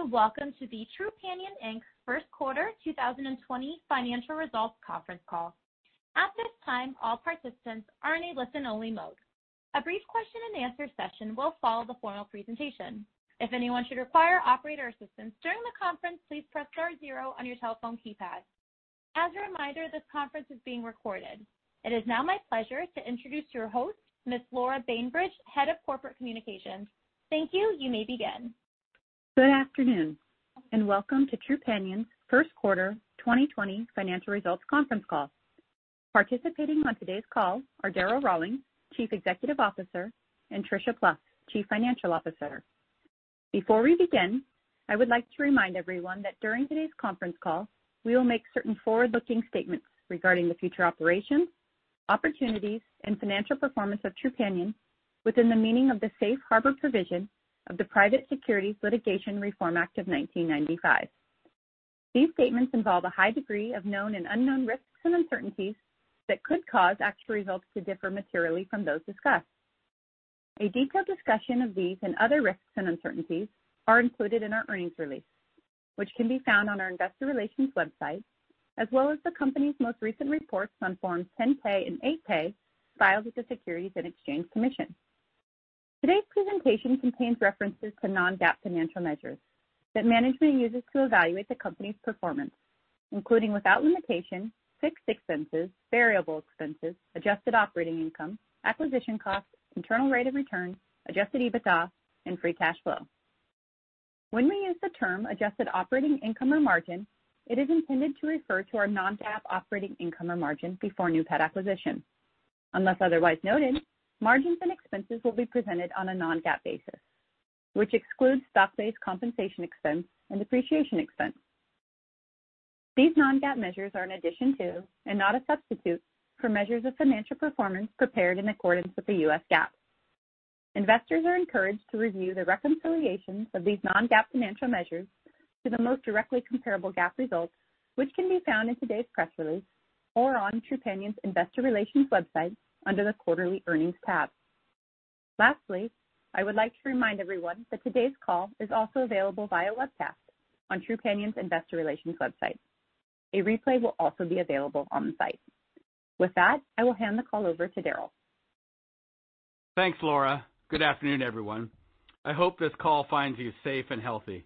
Greetings and welcome to the Trupanion Inc First Quarter 2020 Financial Results Conference Call. At this time, all participants are in a listen-only mode. A brief question-and-answer session will follow the formal presentation. If anyone should require operator assistance during the conference, please press star zero on your telephone keypad. As a reminder, this conference is being recorded. It is now my pleasure to introduce your host, Ms. Laura Bainbridge, Head of Corporate Communications. Thank you. You may begin. Good afternoon and welcome to Trupanion's First Quarter 2020 Financial Results Conference Call. Participating on today's call are Darryl Rawlings, Chief Executive Officer, and Tricia Plouf, Chief Financial Officer. Before we begin, I would like to remind everyone that during today's conference call, we will make certain forward-looking statements regarding the future operations, opportunities, and financial performance of Trupanion within the meaning of the safe harbor provision of the Private Securities Litigation Reform Act of 1995. These statements involve a high degree of known and unknown risks and uncertainties that could cause actual results to differ materially from those discussed. A detailed discussion of these and other risks and uncertainties is included in our earnings release, which can be found on our investor relations website, as well as the company's most recent reports on Forms 10-K and 8-K filed with the Securities and Exchange Commission. Today's presentation contains references to non-GAAP financial measures that management uses to evaluate the company's performance, including without limitation, fixed expenses, variable expenses, adjusted operating income, acquisition costs, internal rate of return, adjusted EBITDA, and free cash flow. When we use the term adjusted operating income or margin, it is intended to refer to our non-GAAP operating income or margin before new pet acquisition. Unless otherwise noted, margins and expenses will be presented on a non-GAAP basis, which excludes stock-based compensation expense and depreciation expense. These non-GAAP measures are an addition to, and not a substitute, for measures of financial performance prepared in accordance with the U.S. GAAP. Investors are encouraged to review the reconciliations of these non-GAAP financial measures to the most directly comparable GAAP results, which can be found in today's press release or on Trupanion's investor relations website under the Quarterly Earnings tab. Lastly, I would like to remind everyone that today's call is also available via webcast on Trupanion's investor relations website. A replay will also be available on the site. With that, I will hand the call over to Darryl. Thanks, Laura. Good afternoon, everyone. I hope this call finds you safe and healthy.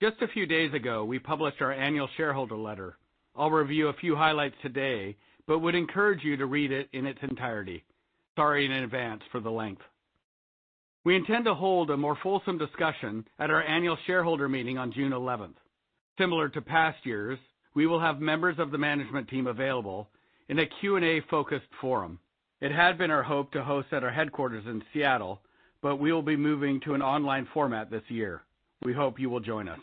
Just a few days ago, we published our annual shareholder letter. I'll review a few highlights today, but would encourage you to read it in its entirety. Sorry in advance for the length. We intend to hold a more fulsome discussion at our annual shareholder meeting on June 11th. Similar to past years, we will have members of the management team available in a Q&A-focused forum. It had been our hope to host at our headquarters in Seattle, but we will be moving to an online format this year. We hope you will join us.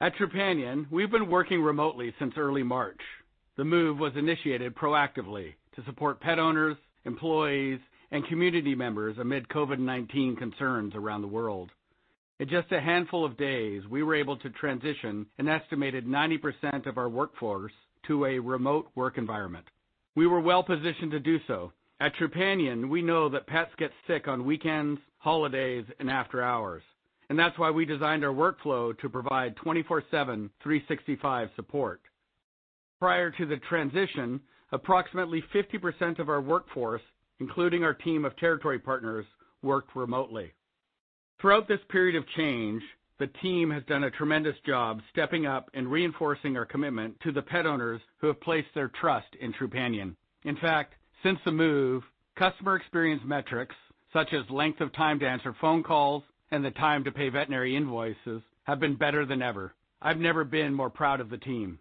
At Trupanion, we've been working remotely since early March. The move was initiated proactively to support pet owners, employees, and community members amid COVID-19 concerns around the world. In just a handful of days, we were able to transition an estimated 90% of our workforce to a remote work environment. We were well-positioned to do so. At Trupanion, we know that pets get sick on weekends, holidays, and after hours, and that's why we designed our workflow to provide 24/7 365 support. Prior to the transition, approximately 50% of our workforce, including our team of territory partners, worked remotely. Throughout this period of change, the team has done a tremendous job stepping up and reinforcing our commitment to the pet owners who have placed their trust in Trupanion. In fact, since the move, customer experience metrics such as length of time to answer phone calls and the time to pay veterinary invoices have been better than ever. I've never been more proud of the team.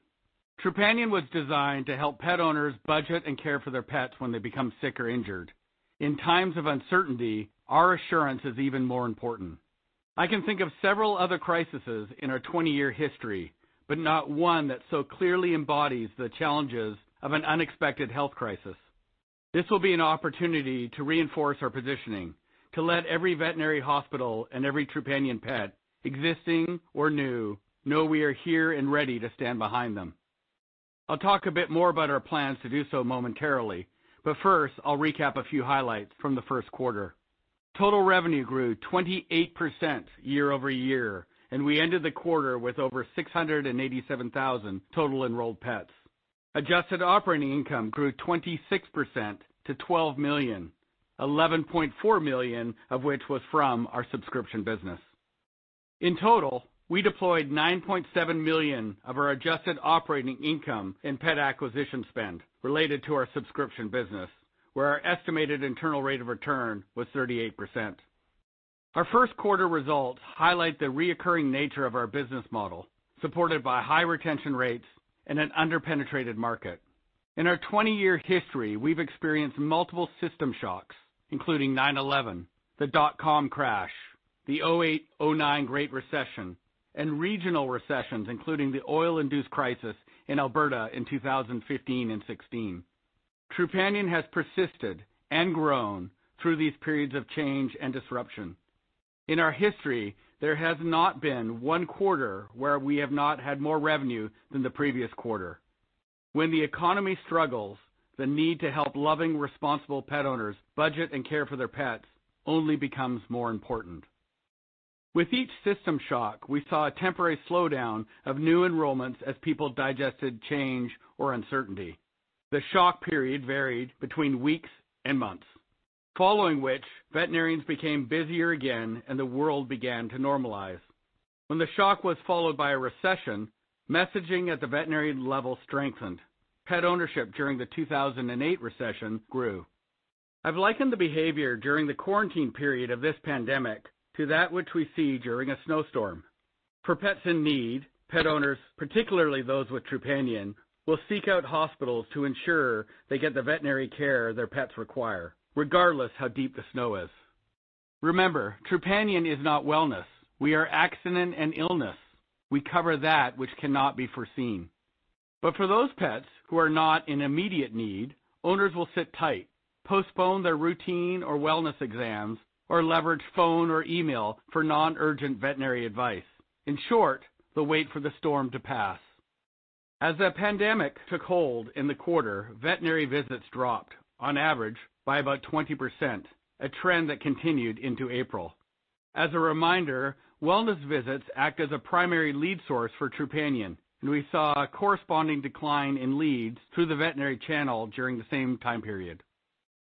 Trupanion was designed to help pet owners budget and care for their pets when they become sick or injured. In times of uncertainty, our assurance is even more important. I can think of several other crises in our 20-year history, but not one that so clearly embodies the challenges of an unexpected health crisis. This will be an opportunity to reinforce our positioning, to let every veterinary hospital and every Trupanion pet, existing or new, know we are here and ready to stand behind them. I'll talk a bit more about our plans to do so momentarily, but first, I'll recap a few highlights from the first quarter. Total revenue grew 28% year over year, and we ended the quarter with over 687,000 total enrolled pets. Adjusted Operating Income grew 26% to $12 million, $11.4 million of which was from our subscription business. In total, we deployed $9.7 million of our adjusted operating income in pet acquisition spend related to our subscription business, where our estimated internal rate of return was 38%. Our first quarter results highlight the recurring nature of our business model, supported by high retention rates and an under-penetrated market. In our 20-year history, we've experienced multiple system shocks, including 9/11, the dot-com crash, the 2008-2009 Great Recession, and regional recessions, including the oil-induced crisis in Alberta in 2015 and 2016. Trupanion has persisted and grown through these periods of change and disruption. In our history, there has not been one quarter where we have not had more revenue than the previous quarter. When the economy struggles, the need to help loving, responsible pet owners budget and care for their pets only becomes more important. With each system shock, we saw a temporary slowdown of new enrollments as people digested change or uncertainty. The shock period varied between weeks and months, following which veterinarians became busier again and the world began to normalize. When the shock was followed by a recession, messaging at the veterinary level strengthened. Pet ownership during the 2008 recession grew. I've likened the behavior during the quarantine period of this pandemic to that which we see during a snowstorm. For pets in need, pet owners, particularly those with Trupanion, will seek out hospitals to ensure they get the veterinary care their pets require, regardless of how deep the snow is. Remember, Trupanion is not wellness. We are accident and illness. We cover that which cannot be foreseen. But for those pets who are not in immediate need, owners will sit tight, postpone their routine or wellness exams, or leverage phone or email for non-urgent veterinary advice. In short, they'll wait for the storm to pass. As the pandemic took hold in the quarter, veterinary visits dropped, on average, by about 20%, a trend that continued into April. As a reminder, wellness visits act as a primary lead source for Trupanion, and we saw a corresponding decline in leads through the veterinary channel during the same time period.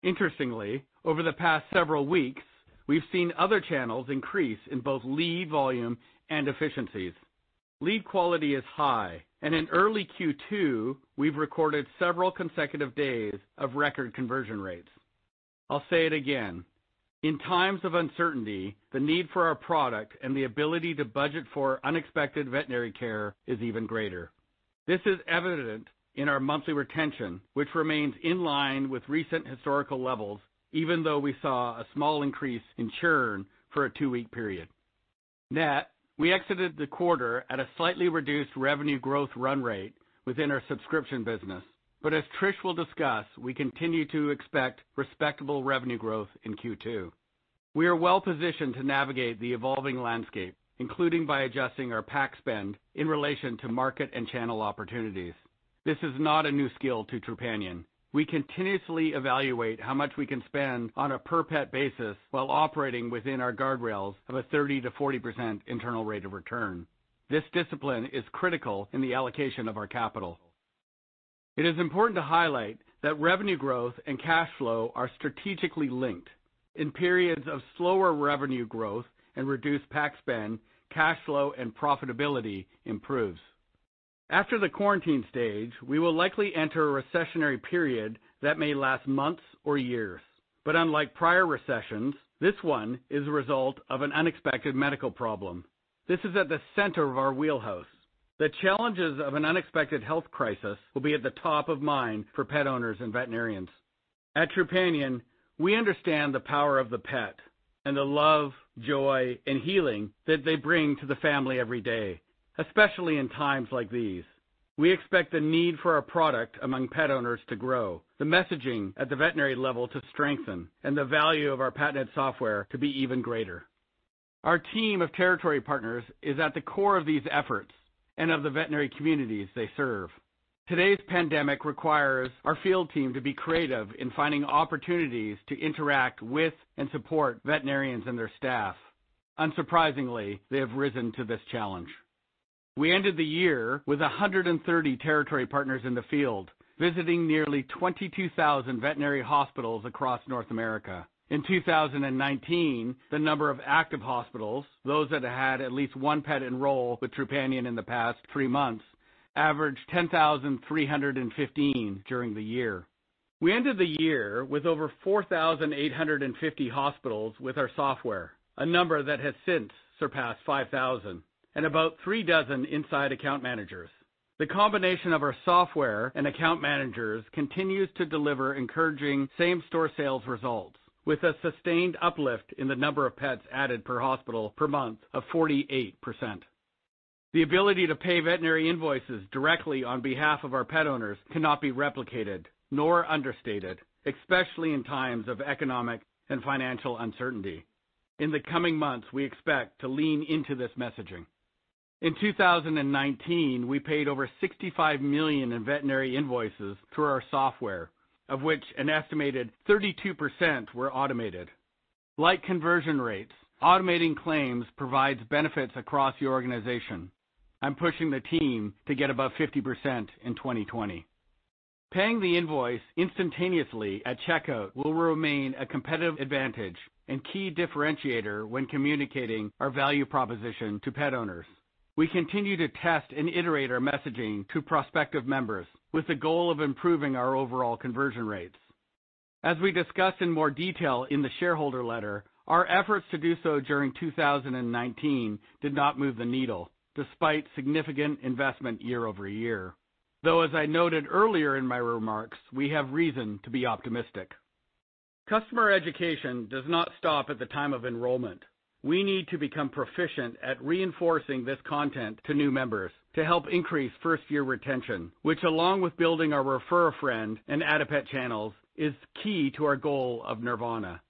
Interestingly, over the past several weeks, we've seen other channels increase in both lead volume and efficiencies. Lead quality is high, and in early Q2, we've recorded several consecutive days of record conversion rates. I'll say it again. In times of uncertainty, the need for our product and the ability to budget for unexpected veterinary care is even greater. This is evident in our monthly retention, which remains in line with recent historical levels, even though we saw a small increase in churn for a two-week period. Net, we exited the quarter at a slightly reduced revenue growth run rate within our subscription business, but as Trish will discuss, we continue to expect respectable revenue growth in Q2. We are well-positioned to navigate the evolving landscape, including by adjusting our PAC spend in relation to market and channel opportunities. This is not a new skill to Trupanion. We continuously evaluate how much we can spend on a per-pet basis while operating within our guardrails of a 30%-40% internal rate of return. This discipline is critical in the allocation of our capital. It is important to highlight that revenue growth and cash flow are strategically linked. In periods of slower revenue growth and reduced PAC spend, cash flow and profitability improve. After the quarantine stage, we will likely enter a recessionary period that may last months or years. But unlike prior recessions, this one is a result of an unexpected medical problem. This is at the center of our wheelhouse. The challenges of an unexpected health crisis will be at the top of mind for pet owners and veterinarians. At Trupanion, we understand the power of the pet and the love, joy, and healing that they bring to the family every day, especially in times like these. We expect the need for our product among pet owners to grow, the messaging at the veterinary level to strengthen, and the value of our patented software to be even greater. Our team of territory partners is at the core of these efforts and of the veterinary communities they serve. Today's pandemic requires our field team to be creative in finding opportunities to interact with and support veterinarians and their staff. Unsurprisingly, they have risen to this challenge. We ended the year with 130 territory partners in the field, visiting nearly 22,000 veterinary hospitals across North America. In 2019, the number of active hospitals, those that had had at least one pet enroll with Trupanion in the past three months, averaged 10,315 during the year. We ended the year with over 4,850 hospitals with our software, a number that has since surpassed 5,000, and about three dozen inside account managers. The combination of our software and account managers continues to deliver encouraging same-store sales results, with a sustained uplift in the number of pets added per hospital per month of 48%. The ability to pay veterinary invoices directly on behalf of our pet owners cannot be replicated, nor understated, especially in times of economic and financial uncertainty. In the coming months, we expect to lean into this messaging. In 2019, we paid over $65 million in veterinary invoices through our software, of which an estimated 32% were automated. Like conversion rates, automating claims provides benefits across the organization. I'm pushing the team to get above 50% in 2020. Paying the invoice instantaneously at checkout will remain a competitive advantage and key differentiator when communicating our value proposition to pet owners. We continue to test and iterate our messaging to prospective members with the goal of improving our overall conversion rates. As we discussed in more detail in the shareholder letter, our efforts to do so during 2019 did not move the needle, despite significant investment year over year. Though, as I noted earlier in my remarks, we have reason to be optimistic. Customer education does not stop at the time of enrollment. We need to become proficient at reinforcing this content to new members to help increase first-year retention, which, along with building our Refer a Friend and Add a Pet channels, is key to our goal of Nirvana.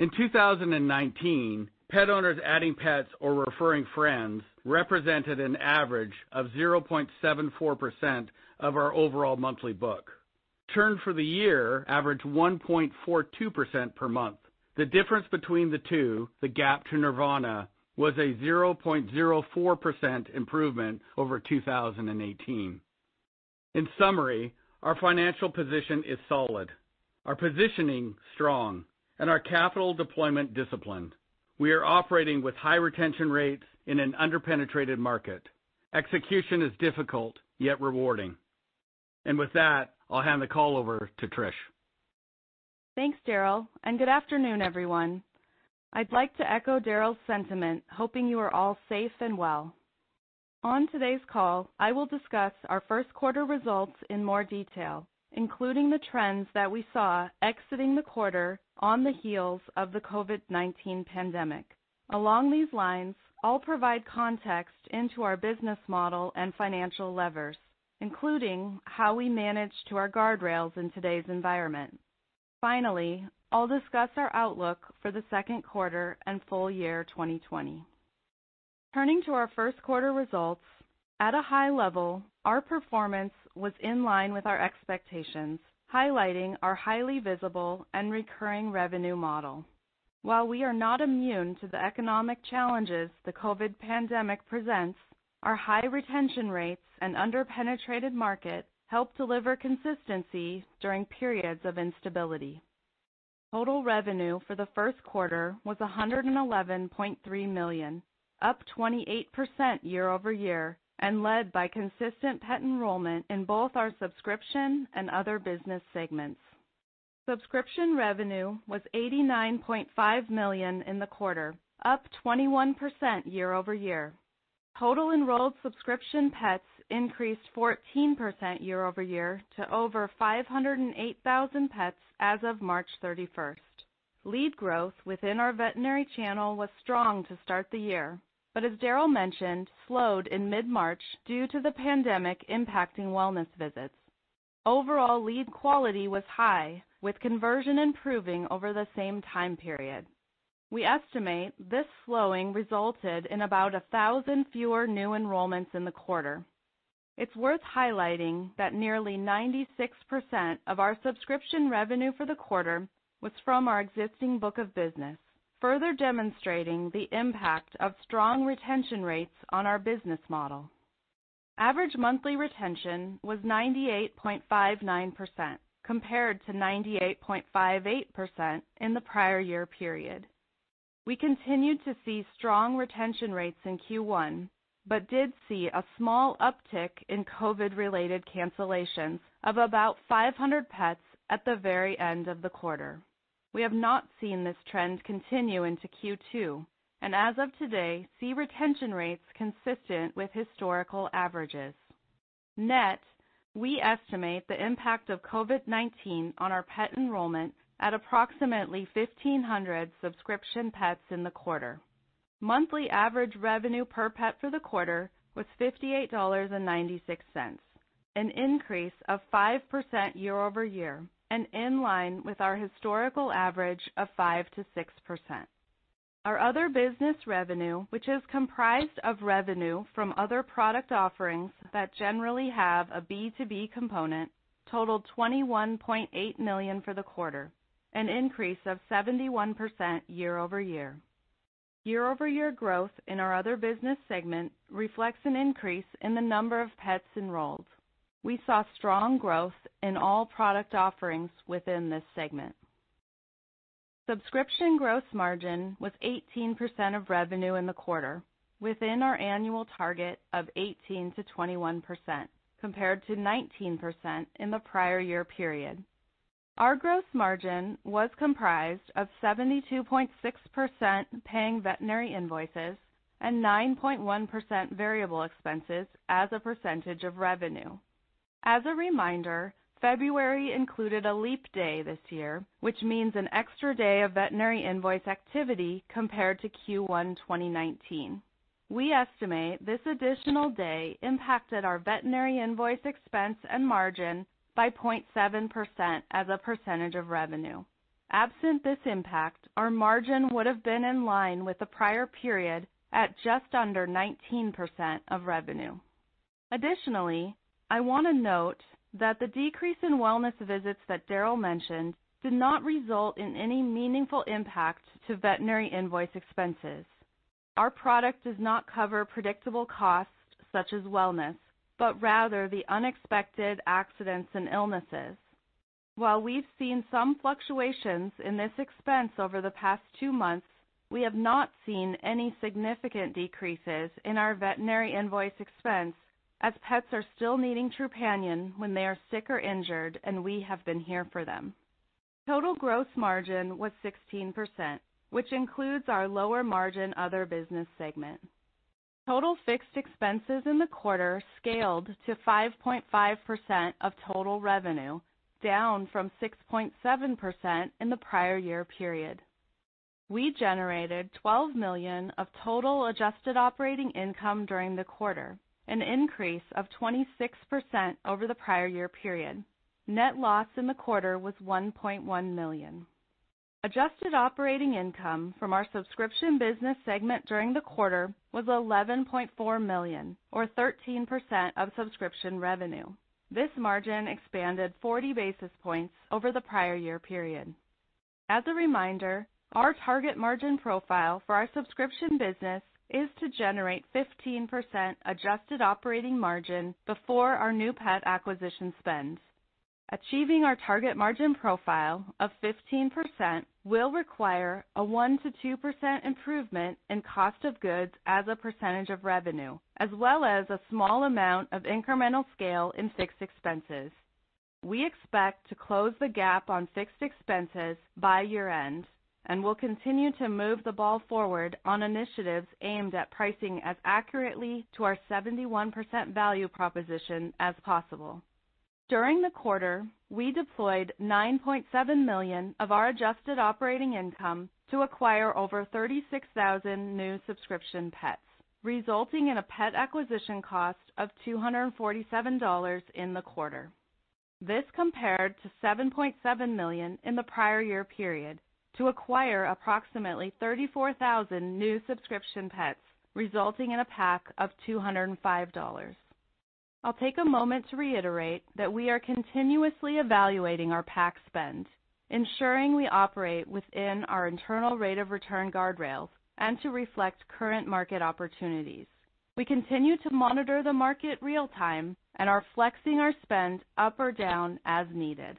In 2019, pet owners adding pets or referring friends represented an average of 0.74% of our overall monthly book. Churn for the year averaged 1.42% per month. The difference between the two, the gap to Nirvana, was a 0.04% improvement over 2018. In summary, our financial position is solid, our positioning strong, and our capital deployment disciplined. We are operating with high retention rates in an under-penetrated market. Execution is difficult, yet rewarding. And with that, I'll hand the call over to Trish. Thanks, Darryl, and good afternoon, everyone. I'd like to echo Darryl's sentiment, hoping you are all safe and well. On today's call, I will discuss our first quarter results in more detail, including the trends that we saw exiting the quarter on the heels of the COVID-19 pandemic. Along these lines, I'll provide context into our business model and financial levers, including how we managed to our guardrails in today's environment. Finally, I'll discuss our outlook for the second quarter and full year 2020. Turning to our first quarter results, at a high level, our performance was in line with our expectations, highlighting our highly visible and recurring revenue model. While we are not immune to the economic challenges the COVID pandemic presents, our high retention rates and under-penetrated market help deliver consistency during periods of instability. Total revenue for the first quarter was $111.3 million, up 28% year over year, and led by consistent pet enrollment in both our subscription and other business segments. Subscription revenue was $89.5 million in the quarter, up 21% year over year. Total enrolled subscription pets increased 14% year over year to over 508,000 pets as of March 31st. Lead growth within our veterinary channel was strong to start the year, but as Darryl mentioned, slowed in mid-March due to the pandemic impacting wellness visits. Overall lead quality was high, with conversion improving over the same time period. We estimate this slowing resulted in about 1,000 fewer new enrollments in the quarter. It's worth highlighting that nearly 96% of our subscription revenue for the quarter was from our existing book of business, further demonstrating the impact of strong retention rates on our business model. Average monthly retention was 98.59%, compared to 98.58% in the prior year period. We continued to see strong retention rates in Q1, but did see a small uptick in COVID-related cancellations of about 500 pets at the very end of the quarter. We have not seen this trend continue into Q2, and as of today, see retention rates consistent with historical averages. Net, we estimate the impact of COVID-19 on our pet enrollment at approximately 1,500 subscription pets in the quarter. Monthly average revenue per pet for the quarter was $58.96, an increase of 5% year over year, and in line with our historical average of 5%-6%. Our other business revenue, which is comprised of revenue from other product offerings that generally have a B2B component, totaled $21.8 million for the quarter, an increase of 71% year over year. Year-over-year growth in our other business segment reflects an increase in the number of pets enrolled. We saw strong growth in all product offerings within this segment. Subscription gross margin was 18% of revenue in the quarter, within our annual target of 18%-21%, compared to 19% in the prior year period. Our gross margin was comprised of 72.6% paying veterinary invoices and 9.1% variable expenses as a percentage of revenue. As a reminder, February included a leap day this year, which means an extra day of veterinary invoice activity compared to Q1 2019. We estimate this additional day impacted our veterinary invoice expense and margin by 0.7% as a percentage of revenue. Absent this impact, our margin would have been in line with the prior period at just under 19% of revenue. Additionally, I want to note that the decrease in wellness visits that Darryl mentioned did not result in any meaningful impact to veterinary invoice expenses. Our product does not cover predictable costs such as wellness, but rather the unexpected accidents and illnesses. While we've seen some fluctuations in this expense over the past two months, we have not seen any significant decreases in our veterinary invoice expense as pets are still needing Trupanion when they are sick or injured, and we have been here for them. Total gross margin was 16%, which includes our lower margin other business segment. Total fixed expenses in the quarter scaled to 5.5% of total revenue, down from 6.7% in the prior year period. We generated $12 million of total adjusted operating income during the quarter, an increase of 26% over the prior year period. Net loss in the quarter was $1.1 million. Adjusted operating income from our subscription business segment during the quarter was $11.4 million, or 13% of subscription revenue. This margin expanded 40 basis points over the prior year period. As a reminder, our target margin profile for our subscription business is to generate 15% adjusted operating margin before our new pet acquisition spend. Achieving our target margin profile of 15% will require a 1%-2% improvement in cost of goods as a percentage of revenue, as well as a small amount of incremental scale in fixed expenses. We expect to close the gap on fixed expenses by year-end and will continue to move the ball forward on initiatives aimed at pricing as accurately to our 71% value proposition as possible. During the quarter, we deployed 9.7 million of our adjusted operating income to acquire over 36,000 new subscription pets, resulting in a pet acquisition cost of $247 in the quarter. This compared to 7.7 million in the prior year period to acquire approximately 34,000 new subscription pets, resulting in a PAC of $205. I'll take a moment to reiterate that we are continuously evaluating our PAC spend, ensuring we operate within our internal rate of return guardrails and to reflect current market opportunities. We continue to monitor the market real-time and are flexing our spend up or down as needed.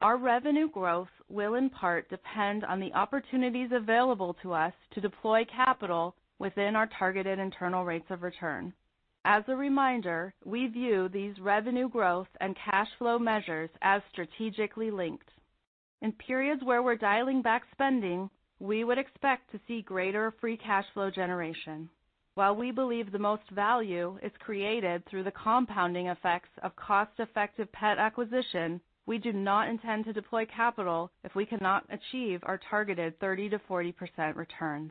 Our revenue growth will in part depend on the opportunities available to us to deploy capital within our targeted internal rates of return. As a reminder, we view these revenue growth and cash flow measures as strategically linked. In periods where we're dialing back spending, we would expect to see greater free cash flow generation. While we believe the most value is created through the compounding effects of cost-effective pet acquisition, we do not intend to deploy capital if we cannot achieve our targeted 30%-40% returns.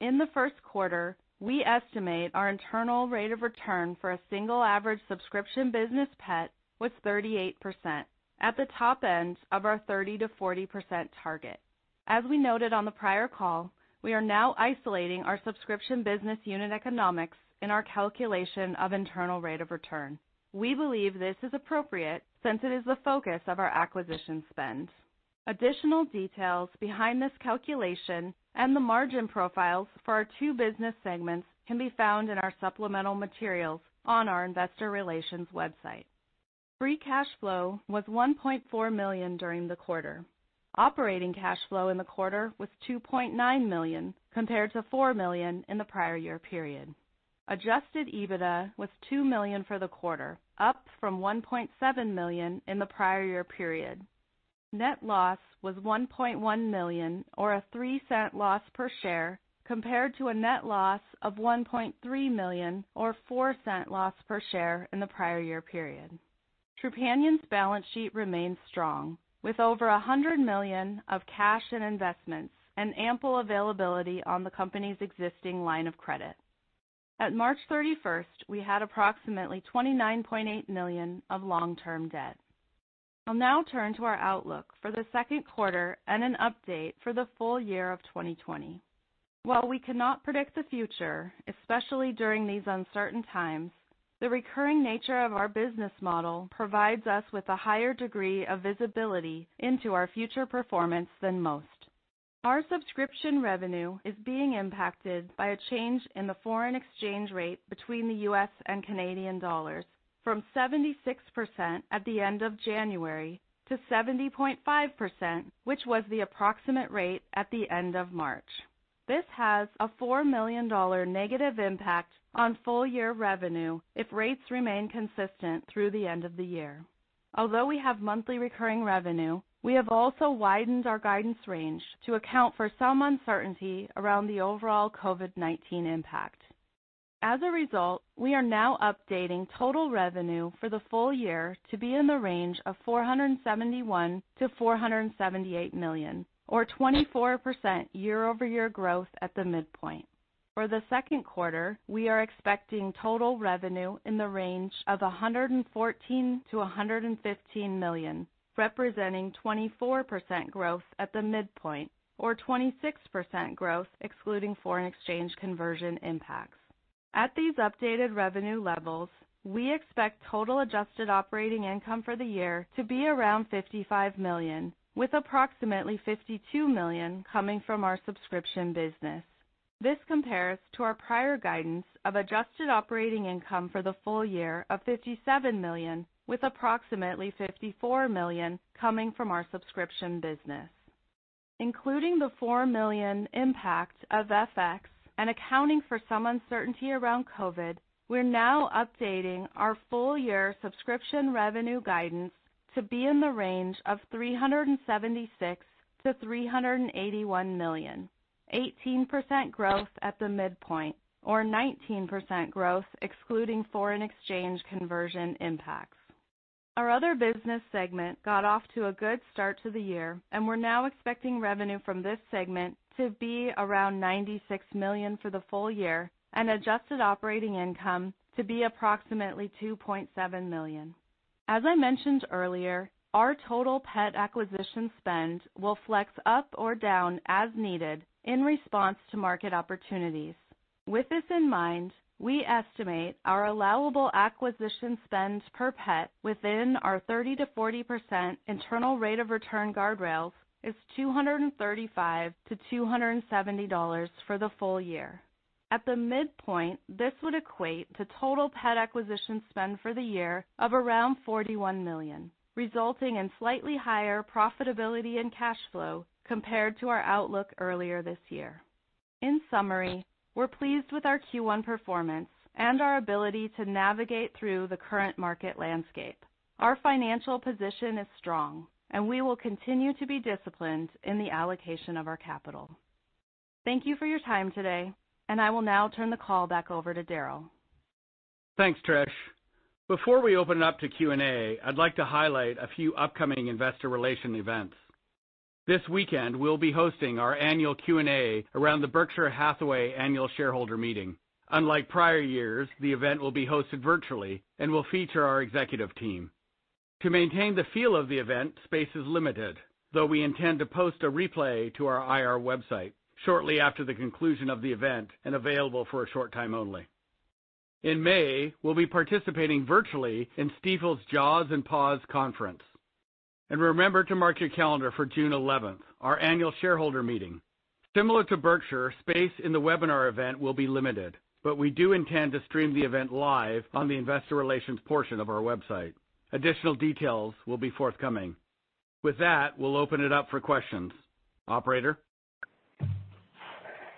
In the first quarter, we estimate our internal rate of return for a single average subscription business pet was 38%, at the top end of our 30%-40% target. As we noted on the prior call, we are now isolating our subscription business unit economics in our calculation of internal rate of return. We believe this is appropriate since it is the focus of our acquisition spend. Additional details behind this calculation and the margin profiles for our two business segments can be found in our supplemental materials on our investor relations website. Free cash flow was $1.4 million during the quarter. Operating cash flow in the quarter was $2.9 million, compared to $4 million in the prior year period. Adjusted EBITDA was $2 million for the quarter, up from $1.7 million in the prior year period. Net loss was $1.1 million, or a $0.03 loss per share, compared to a net loss of $1.3 million, or $0.04 loss per share in the prior year period. Trupanion's balance sheet remains strong, with over $100 million of cash and investments and ample availability on the company's existing line of credit. At March 31st, we had approximately $29.8 million of long-term debt. I'll now turn to our outlook for the second quarter and an update for the full year of 2020. While we cannot predict the future, especially during these uncertain times, the recurring nature of our business model provides us with a higher degree of visibility into our future performance than most. Our subscription revenue is being impacted by a change in the foreign exchange rate between the U.S. and Canadian dollars from 76% at the end of January to 70.5%, which was the approximate rate at the end of March. This has a $4 million negative impact on full year revenue if rates remain consistent through the end of the year. Although we have monthly recurring revenue, we have also widened our guidance range to account for some uncertainty around the overall COVID-19 impact. As a result, we are now updating total revenue for the full year to be in the range of $471 million-$478 million, or 24% year-over-year growth at the midpoint. For the second quarter, we are expecting total revenue in the range of $114 million-$115 million, representing 24% growth at the midpoint, or 26% growth excluding foreign exchange conversion impacts. At these updated revenue levels, we expect total adjusted operating income for the year to be around $55 million, with approximately $52 million coming from our subscription business. This compares to our prior guidance of adjusted operating income for the full year of $57 million, with approximately $54 million coming from our subscription business. Including the $4 million impact of FX and accounting for some uncertainty around COVID, we're now updating our full year subscription revenue guidance to be in the range of $376 million-$381 million, 18% growth at the midpoint, or 19% growth excluding foreign exchange conversion impacts. Our other business segment got off to a good start to the year, and we're now expecting revenue from this segment to be around $96 million for the full year and adjusted operating income to be approximately $2.7 million. As I mentioned earlier, our total pet acquisition spend will flex up or down as needed in response to market opportunities. With this in mind, we estimate our allowable acquisition spend per pet within our 30%-40% internal rate of return guardrails is $235-$270 for the full year. At the midpoint, this would equate to total pet acquisition spend for the year of around $41 million, resulting in slightly higher profitability and cash flow compared to our outlook earlier this year. In summary, we're pleased with our Q1 performance and our ability to navigate through the current market landscape. Our financial position is strong, and we will continue to be disciplined in the allocation of our capital. Thank you for your time today, and I will now turn the call back over to Darryl. Thanks, Trish. Before we open it up to Q&A, I'd like to highlight a few upcoming investor relations events. This weekend, we'll be hosting our annual Q&A around the Berkshire Hathaway Annual Shareholder Meeting. Unlike prior years, the event will be hosted virtually and will feature our executive team. To maintain the feel of the event, space is limited, though we intend to post a replay to our IR website shortly after the conclusion of the event and available for a short time only. In May, we'll be participating virtually in Stifel's Jaws and Paws Conference, and remember to mark your calendar for June 11th, our annual shareholder meeting. Similar to Berkshire, space in the webinar event will be limited, but we do intend to stream the event live on the investor relations portion of our website. Additional details will be forthcoming. With that, we'll open it up for questions. Operator.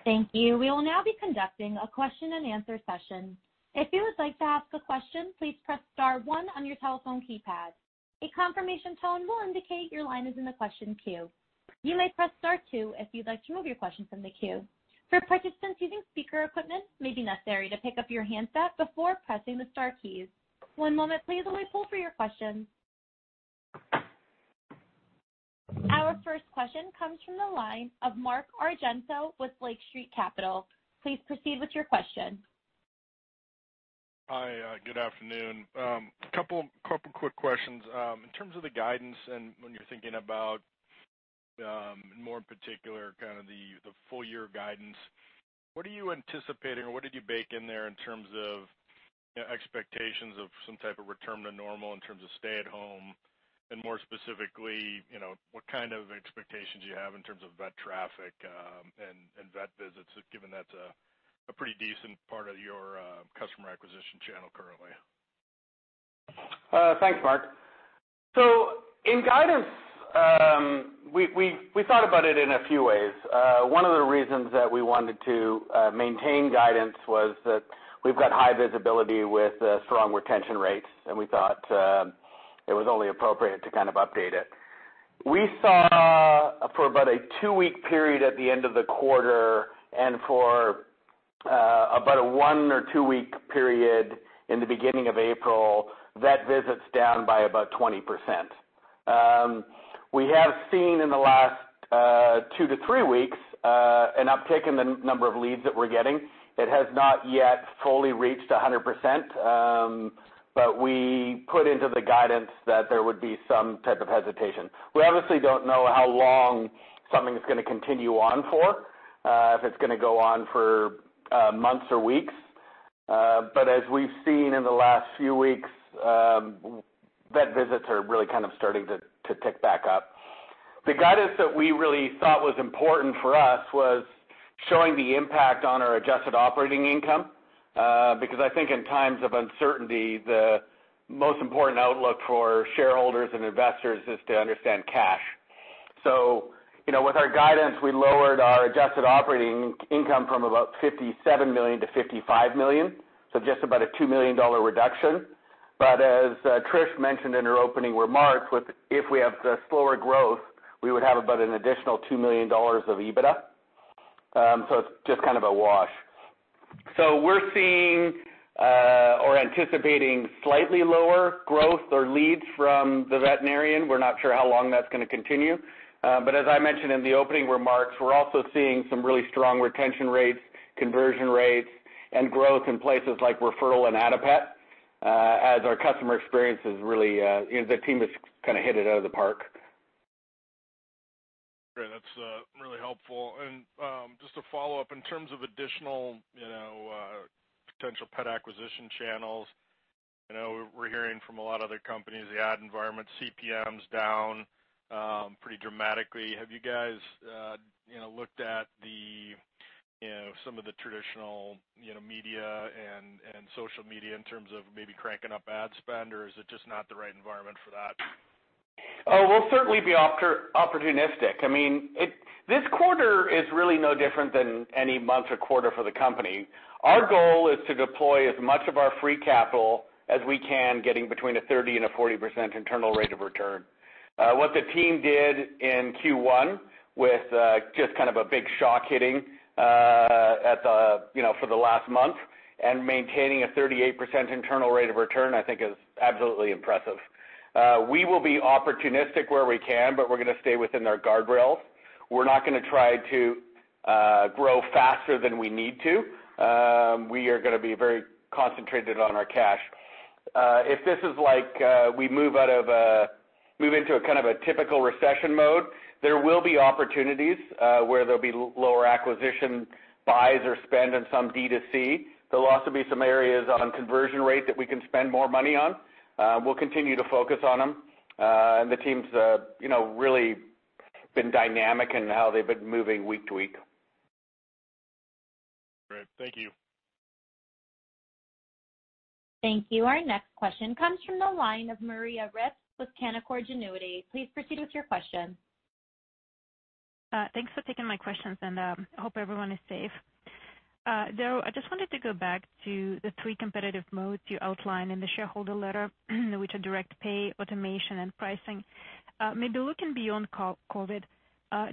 Thank you. We will now be conducting a question and answer session. If you would like to ask a question, please press Star 1 on your telephone keypad. A confirmation tone will indicate your line is in the question queue. You may press Star 2 if you'd like to move your question from the queue. For participants using speaker equipment, it may be necessary to pick up your handset before pressing the Star keys. One moment, please, and we'll pull for your questions. Our first question comes from the line of Mark Argento with Lake Street Capital. Please proceed with your question. Hi, good afternoon. A couple quick questions. In terms of the guidance and when you're thinking about, more in particular, kind of the full year guidance, what are you anticipating or what did you bake in there in terms of expectations of some type of return to normal in terms of stay-at-home? And more specifically, what kind of expectations do you have in terms of vet traffic and vet visits, given that's a pretty decent part of your customer acquisition channel currently? Thanks, Mark. So in guidance, we thought about it in a few ways. One of the reasons that we wanted to maintain guidance was that we've got high visibility with strong retention rates, and we thought it was only appropriate to kind of update it. We saw for about a two-week period at the end of the quarter and for about a one- or two-week period in the beginning of April, vet visits down by about 20%. We have seen in the last two to three weeks an uptick in the number of leads that we're getting. It has not yet fully reached 100%, but we put into the guidance that there would be some type of hesitation. We obviously don't know how long something's going to continue on for, if it's going to go on for months or weeks. But as we've seen in the last few weeks, vet visits are really kind of starting to tick back up. The guidance that we really thought was important for us was showing the impact on our adjusted operating income because I think in times of uncertainty, the most important outlook for shareholders and investors is to understand cash. So with our guidance, we lowered our adjusted operating income from about $57 million to $55 million, so just about a $2 million reduction. But as Trish mentioned in her opening remarks, if we have the slower growth, we would have about an additional $2 million of EBITDA. So it's just kind of a wash. So we're seeing or anticipating slightly lower growth or leads from the veterinarian. We're not sure how long that's going to continue. But as I mentioned in the opening remarks, we're also seeing some really strong retention rates, conversion rates, and growth in places like Referral and Add a Pet, as our customer experience is really the team has kind of hit it out of the park. Great. That's really helpful. And just to follow up, in terms of additional potential pet acquisition channels, we're hearing from a lot of other companies the ad environment CPMs down pretty dramatically. Have you guys looked at some of the traditional media and social media in terms of maybe cranking up ad spend, or is it just not the right environment for that? Oh, we'll certainly be opportunistic. I mean, this quarter is really no different than any month or quarter for the company. Our goal is to deploy as much of our free capital as we can, getting between a 30% and a 40% internal rate of return. What the team did in Q1 with just kind of a big shock hitting for the last month and maintaining a 38% internal rate of return, I think, is absolutely impressive. We will be opportunistic where we can, but we're going to stay within our guardrails. We're not going to try to grow faster than we need to. We are going to be very concentrated on our cash. If this is like we move out of a move into a kind of a typical recession mode, there will be opportunities where there'll be lower acquisition buys or spend on some DTC. There'll also be some areas on conversion rate that we can spend more money on. We'll continue to focus on them. And the team's really been dynamic in how they've been moving week to week. Great. Thank you. Thank you. Our next question comes from the line of Maria Ripps with Canaccord Genuity. Please proceed with your question. Thanks for taking my questions, and I hope everyone is safe. Darryl, I just wanted to go back to the three competitive modes you outlined in the shareholder letter, which are direct pay, automation, and pricing. Maybe looking beyond COVID,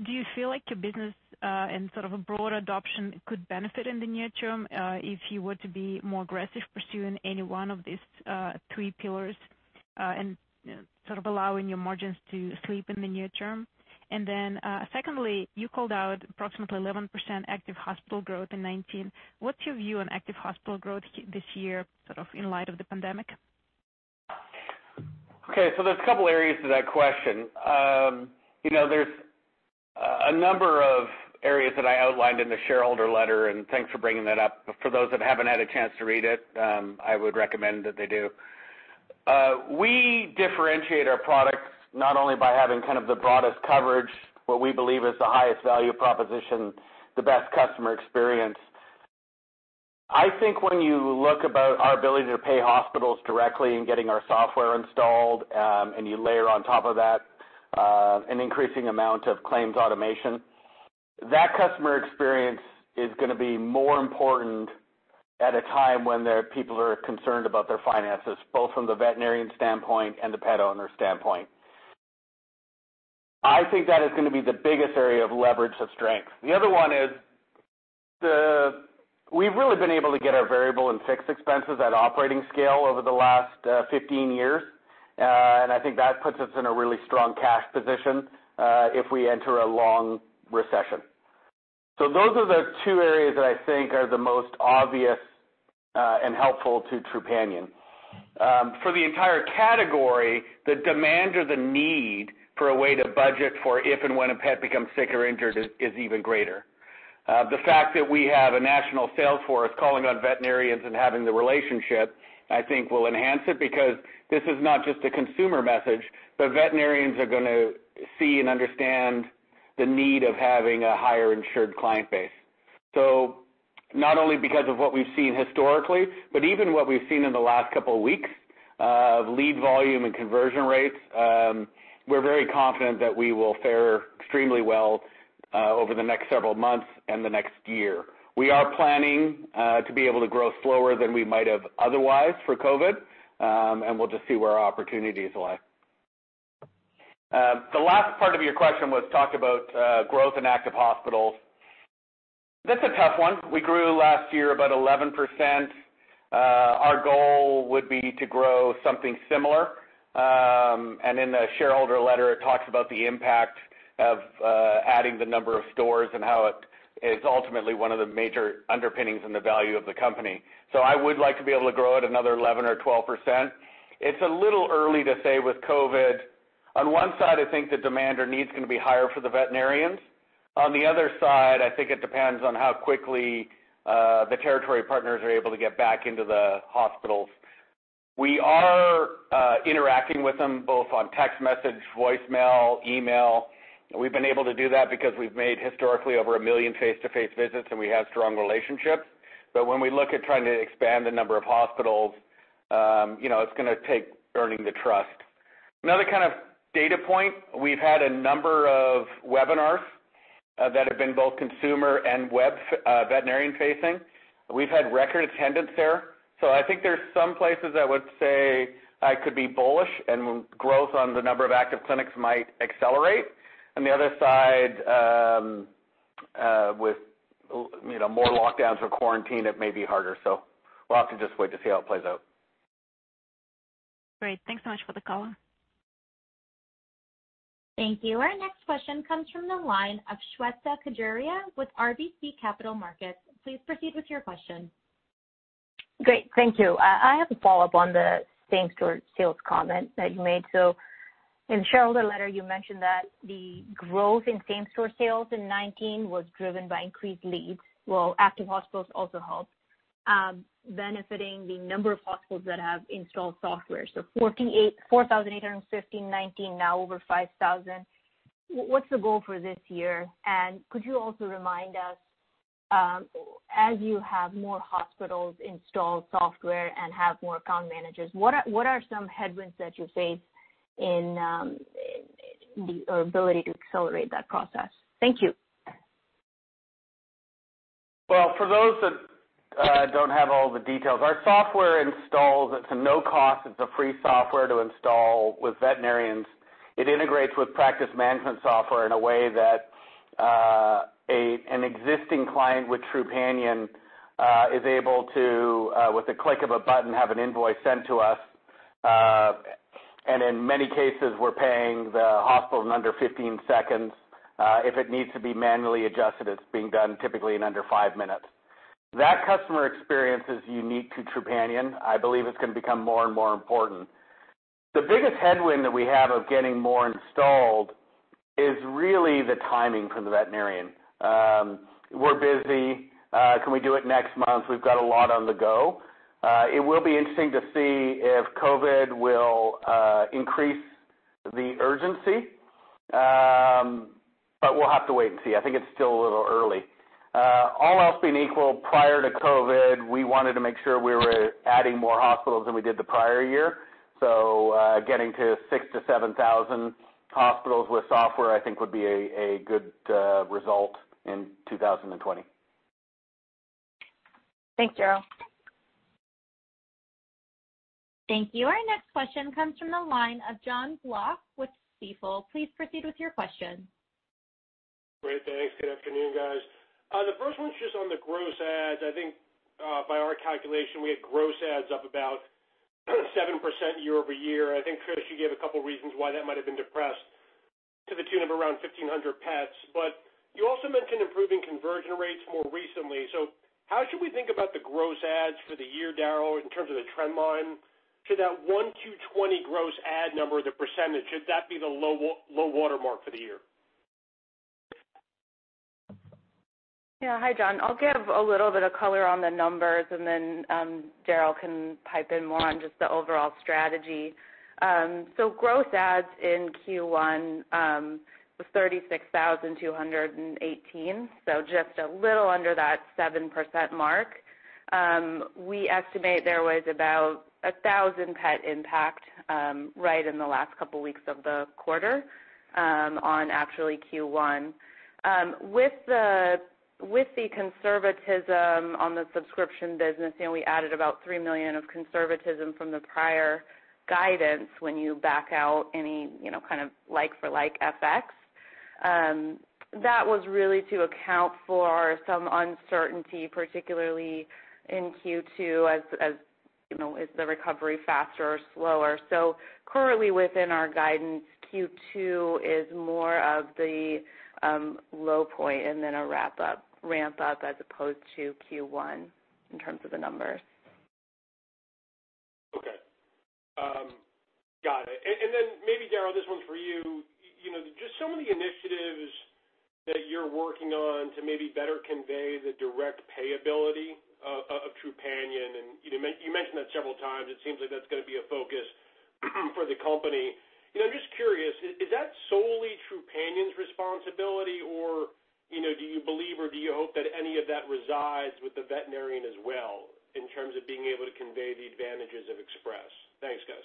do you feel like your business and sort of a broader adoption could benefit in the near term if you were to be more aggressive pursuing any one of these three pillars and sort of allowing your margins to slip in the near term? And then secondly, you called out approximately 11% active hospital growth in 2019. What's your view on active hospital growth this year, sort of in light of the pandemic? Okay. So there's a couple areas to that question. There's a number of areas that I outlined in the shareholder letter, and thanks for bringing that up. But for those that haven't had a chance to read it, I would recommend that they do. We differentiate our products not only by having kind of the broadest coverage, what we believe is the highest value proposition, the best customer experience. I think when you look about our ability to pay hospitals directly and getting our software installed and you layer on top of that an increasing amount of claims automation, that customer experience is going to be more important at a time when people are concerned about their finances, both from the veterinarian standpoint and the pet owner standpoint. I think that is going to be the biggest area of leverage of strength. The other one is we've really been able to get our variable and fixed expenses at operating scale over the last 15 years, and I think that puts us in a really strong cash position if we enter a long recession. So those are the two areas that I think are the most obvious and helpful to Trupanion. For the entire category, the demand or the need for a way to budget for if and when a pet becomes sick or injured is even greater. The fact that we have a national salesforce calling on veterinarians and having the relationship, I think, will enhance it because this is not just a consumer message. The veterinarians are going to see and understand the need of having a higher insured client base. So not only because of what we've seen historically, but even what we've seen in the last couple of weeks of lead volume and conversion rates, we're very confident that we will fare extremely well over the next several months and the next year. We are planning to be able to grow slower than we might have otherwise for COVID, and we'll just see where our opportunities lie. The last part of your question was talk about growth in active hospitals. That's a tough one. We grew last year about 11%. Our goal would be to grow something similar. And in the shareholder letter, it talks about the impact of adding the number of stores and how it is ultimately one of the major underpinnings and the value of the company. So I would like to be able to grow at another 11% or 12%. It's a little early to say with COVID. On one side, I think the demand or need's going to be higher for the veterinarians. On the other side, I think it depends on how quickly the territory partners are able to get back into the hospitals. We are interacting with them both on text message, voicemail, email. We've been able to do that because we've made historically over a million face-to-face visits, and we have strong relationships. But when we look at trying to expand the number of hospitals, it's going to take earning the trust. Another kind of data point, we've had a number of webinars that have been both consumer and vet veterinarian-facing. We've had record attendance there. So I think there's some places I would say I could be bullish, and growth on the number of active clinics might accelerate. On the other side, with more lockdowns or quarantine, it may be harder. So we'll have to just wait to see how it plays out. Great. Thanks so much for the call. Thank you. Our next question comes from the line of Shweta Khajuria with RBC Capital Markets. Please proceed with your question. Great. Thank you. I have a follow-up on the same-store sales comment that you made. So in the shareholder letter, you mentioned that the growth in same-store sales in 2019 was driven by increased leads. Well, active hospitals also helped, benefiting the number of hospitals that have installed software. So 4,850 in 2019, now over 5,000. What's the goal for this year? And could you also remind us, as you have more hospitals install software and have more account managers, what are some headwinds that you face in your ability to accelerate that process? Thank you. For those that don't have all the details, our software installs, it's a no-cost, it's a free software to install with veterinarians. It integrates with practice management software in a way that an existing client with Trupanion is able to, with the click of a button, have an invoice sent to us. And in many cases, we're paying the hospital in under 15 seconds. If it needs to be manually adjusted, it's being done typically in under five minutes. That customer experience is unique to Trupanion. I believe it's going to become more and more important. The biggest headwind that we have of getting more installed is really the timing from the veterinarian. We're busy. Can we do it next month? We've got a lot on the go. It will be interesting to see if COVID will increase the urgency, but we'll have to wait and see. I think it's still a little early. All else being equal, prior to COVID, we wanted to make sure we were adding more hospitals than we did the prior year. So getting to 6,000-7,000 hospitals with software, I think, would be a good result in 2020. Thanks, Darryl. Thank you. Our next question comes from the line of Jon Block with Stifel. Please proceed with your question. Great. Thanks. Good afternoon, guys. The first one's just on the gross adds. I think by our calculation, we had gross adds up about 7% year over year. I think, Trish, you gave a couple of reasons why that might have been depressed to the tune of around 1,500 pets. But you also mentioned improving conversion rates more recently. So how should we think about the gross adds for the year, Darryl, in terms of the trend line? Should that 1,220 gross add number, the percentage, should that be the low watermark for the year? Yeah. Hi, Jon. I'll give a little bit of color on the numbers, and then Darryl can pipe in more on just the overall strategy. Gross adds in Q1 was 36,218, so just a little under that 7% mark. We estimate there was about 1,000 pet impact right in the last couple of weeks of the quarter on actually Q1. With the conservatism on the subscription business, we added about 3 million of conservatism from the prior guidance when you back out any kind of like-for-like effects. That was really to account for some uncertainty, particularly in Q2, as is the recovery faster or slower. Currently, within our guidance, Q2 is more of the low point and then a ramp-up as opposed to Q1 in terms of the numbers. Okay. Got it, and then maybe, Darryl, this one's for you. Just some of the initiatives that you're working on to maybe better convey the direct payability of Trupanion, and you mentioned that several times. It seems like that's going to be a focus for the company. I'm just curious, is that solely Trupanion's responsibility, or do you believe or do you hope that any of that resides with the veterinarian as well in terms of being able to convey the advantages of Express? Thanks, guys.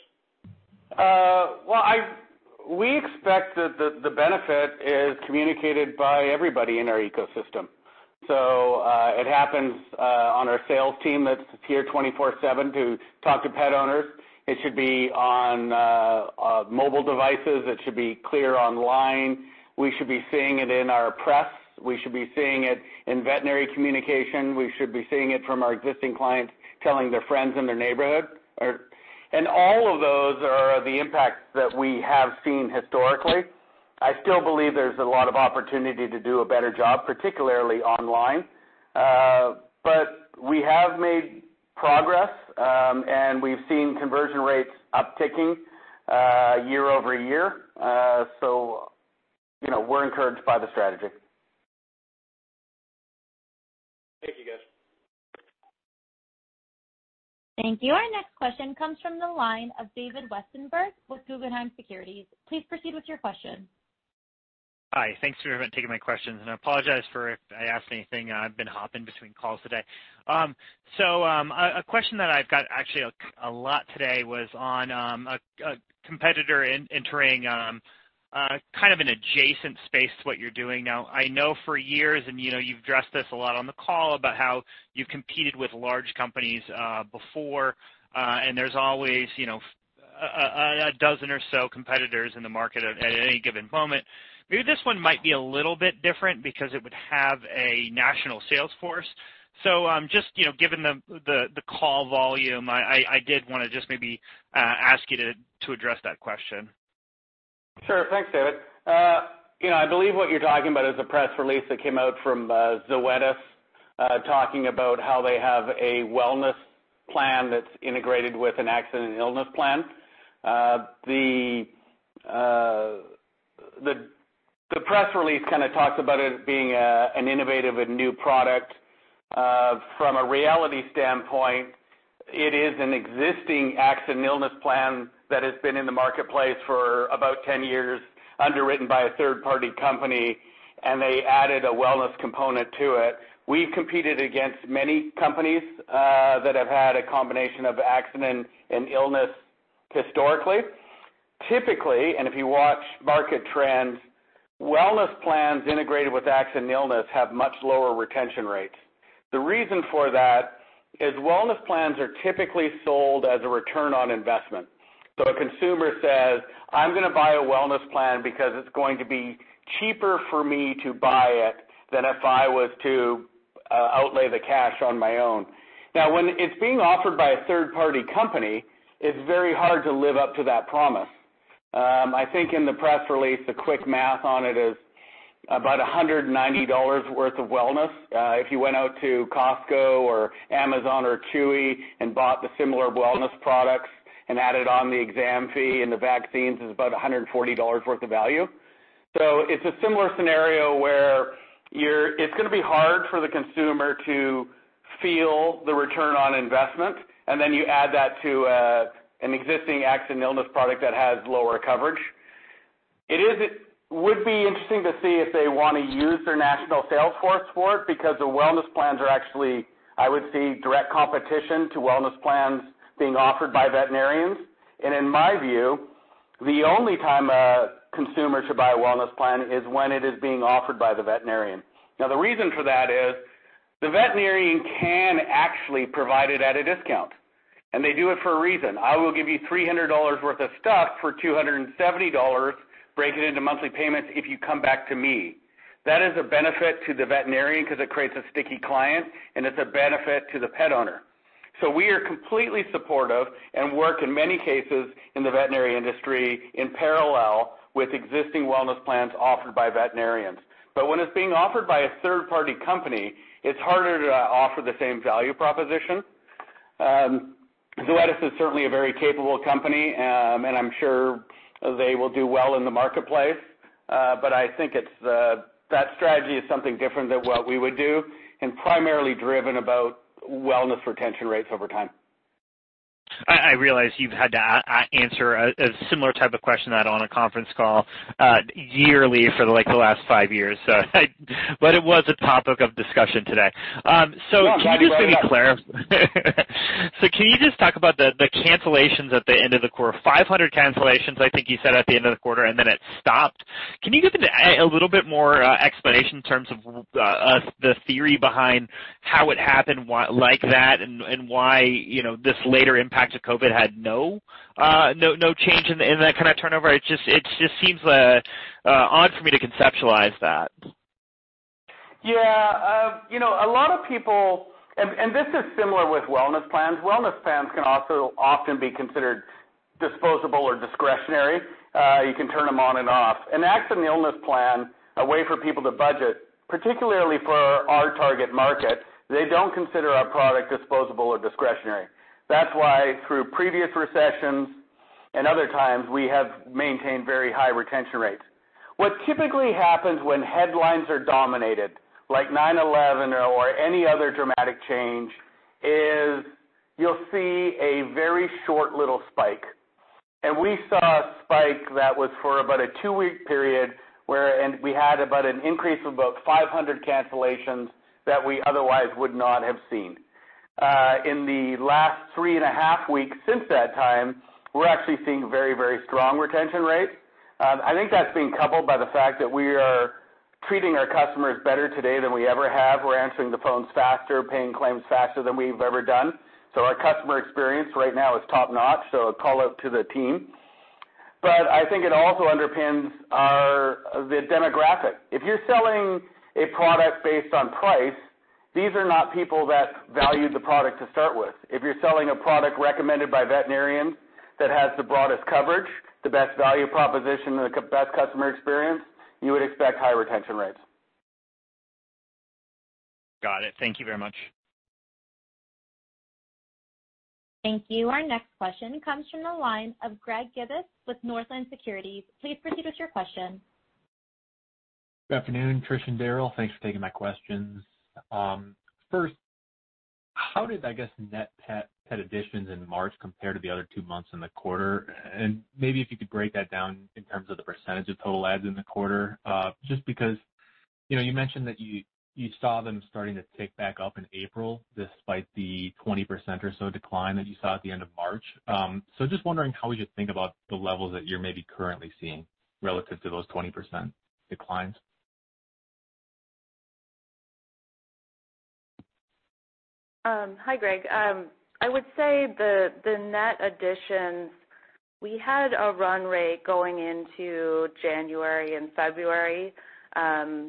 We expect that the benefit is communicated by everybody in our ecosystem. So it happens on our sales team that's here 24/7 to talk to pet owners. It should be on mobile devices. It should be clear online. We should be seeing it in our press. We should be seeing it in veterinary communication. We should be seeing it from our existing clients telling their friends in their neighborhood. And all of those are the impacts that we have seen historically. I still believe there's a lot of opportunity to do a better job, particularly online. But we have made progress, and we've seen conversion rates upticking year-over-year. So we're encouraged by the strategy. Thank you, guys. Thank you. Our next question comes from the line of David Westenberg with Guggenheim Securities. Please proceed with your question. Hi. Thanks for taking my questions, and I apologize for if I asked anything. I've been hopping between calls today, so a question that I've got actually a lot today was on a competitor entering kind of an adjacent space to what you're doing now. I know for years, and you've addressed this a lot on the call about how you've competed with large companies before, and there's always a dozen or so competitors in the market at any given moment. Maybe this one might be a little bit different because it would have a national sales force, so just given the call volume, I did want to just maybe ask you to address that question. Sure. Thanks, David. I believe what you're talking about is a press release that came out from Zoetis talking about how they have a wellness plan that's integrated with an accident and illness plan. The press release kind of talks about it being an innovative and new product. From a reality standpoint, it is an existing accident and illness plan that has been in the marketplace for about 10 years, underwritten by a third-party company, and they added a wellness component to it. We've competed against many companies that have had a combination of accident and illness historically. Typically, and if you watch market trends, wellness plans integrated with accident and illness have much lower retention rates. The reason for that is wellness plans are typically sold as a return on investment. So a consumer says, "I'm going to buy a wellness plan because it's going to be cheaper for me to buy it than if I was to outlay the cash on my own." Now, when it's being offered by a third-party company, it's very hard to live up to that promise. I think in the press release, the quick math on it is about $190 worth of wellness. If you went out to Costco or Amazon or Chewy and bought the similar wellness products and added on the exam fee and the vaccines, it's about $140 worth of value. So it's a similar scenario where it's going to be hard for the consumer to feel the return on investment, and then you add that to an existing accident and illness product that has lower coverage. It would be interesting to see if they want to use their national salesforce for it because the wellness plans are actually, I would say, direct competition to wellness plans being offered by veterinarians, and in my view, the only time a consumer should buy a wellness plan is when it is being offered by the veterinarian. Now, the reason for that is the veterinarian can actually provide it at a discount, and they do it for a reason. I will give you $300 worth of stuff for $270, break it into monthly payments if you come back to me. That is a benefit to the veterinarian because it creates a sticky client, and it's a benefit to the pet owner, so we are completely supportive and work, in many cases, in the veterinary industry in parallel with existing wellness plans offered by veterinarians. But when it's being offered by a third-party company, it's harder to offer the same value proposition. Zoetis is certainly a very capable company, and I'm sure they will do well in the marketplace. But I think that strategy is something different than what we would do and primarily driven about wellness retention rates over time. I realize you've had to answer a similar type of question, that on a conference call yearly for the last five years, but it was a topic of discussion today. So can you just be clear? So can you just talk about the cancellations at the end of the quarter? 500 cancellations, I think you said, at the end of the quarter, and then it stopped. Can you give a little bit more explanation in terms of the theory behind how it happened like that and why this later impact of COVID had no change in that kind of turnover? It just seems odd for me to conceptualize that. Yeah. A lot of people, and this is similar with wellness plans, wellness plans can also often be considered disposable or discretionary. You can turn them on and off. An accident and illness plan, a way for people to budget, particularly for our target market, they don't consider our product disposable or discretionary. That's why through previous recessions and other times, we have maintained very high retention rates. What typically happens when headlines are dominated, like 9/11 or any other dramatic change, is you'll see a very short little spike. And we saw a spike that was for about a two-week period, and we had about an increase of about 500 cancellations that we otherwise would not have seen. In the last three and a half weeks since that time, we're actually seeing very, very strong retention rates. I think that's being coupled by the fact that we are treating our customers better today than we ever have. We're answering the phones faster, paying claims faster than we've ever done. So our customer experience right now is top-notch, so a call out to the team. But I think it also underpins the demographic. If you're selling a product based on price, these are not people that value the product to start with. If you're selling a product recommended by veterinarians that has the broadest coverage, the best value proposition, and the best customer experience, you would expect high retention rates. Got it. Thank you very much. Thank you. Our next question comes from the line of Greg Gibas with Northland Securities. Please proceed with your question. Good afternoon, Trish and Darryl. Thanks for taking my questions. First, how did, I guess, net pet additions in March compare to the other two months in the quarter? And maybe if you could break that down in terms of the percentage of total adds in the quarter, just because you mentioned that you saw them starting to tick back up in April despite the 20% or so decline that you saw at the end of March. So just wondering how would you think about the levels that you're maybe currently seeing relative to those 20% declines? Hi, Greg. I would say the net additions, we had a run rate going into January and February. That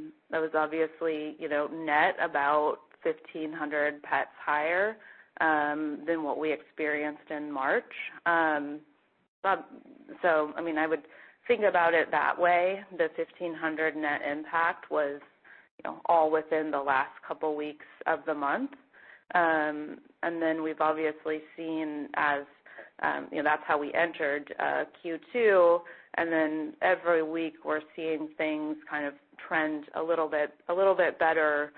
was obviously net about 1,500 pets higher than what we experienced in March. So I mean, I would think about it that way. The 1,500 net impact was all within the last couple of weeks of the month. And then we've obviously seen, as that's how we entered Q2, and then every week we're seeing things kind of trend a little bit better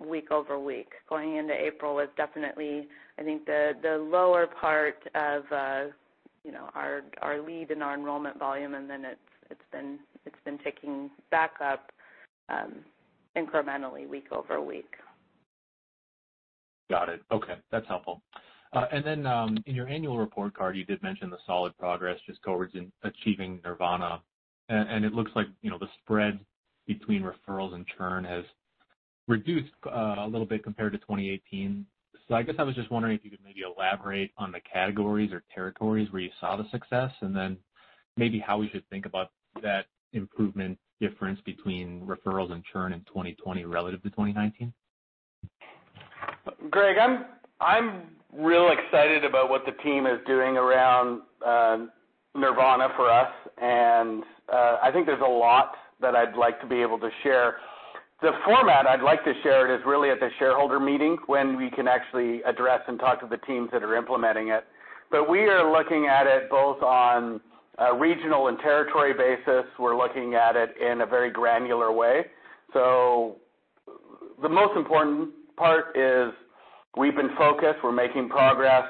week over week. Going into April was definitely, I think, the lower part of our leads and our enrollment volume, and then it's been ticking back up incrementally week over week. Got it. Okay. That's helpful. And then in your annual report card, you did mention the solid progress just towards achieving Nirvana. And it looks like the spread between referrals and churn has reduced a little bit compared to 2018. So I guess I was just wondering if you could maybe elaborate on the categories or territories where you saw the success, and then maybe how we should think about that improvement difference between referrals and churn in 2020 relative to 2019? Greg, I'm real excited about what the team is doing around Nirvana for us, and I think there's a lot that I'd like to be able to share. The format I'd like to share it is really at the shareholder meeting when we can actually address and talk to the teams that are implementing it. But we are looking at it both on a regional and territory basis. We're looking at it in a very granular way. So the most important part is we've been focused. We're making progress.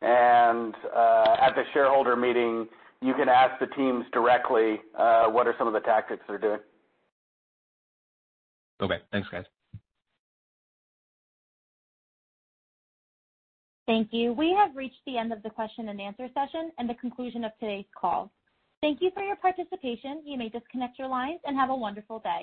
And at the shareholder meeting, you can ask the teams directly what are some of the tactics they're doing. Okay. Thanks, guys. Thank you. We have reached the end of the question and answer session and the conclusion of today's call. Thank you for your participation. You may disconnect your lines and have a wonderful day.